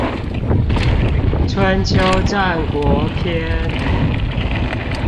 春秋戰國篇